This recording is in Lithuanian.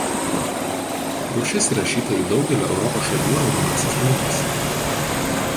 Rūšis įrašyta į daugelio Europos šalių raudonąsias knygas.